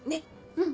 うん。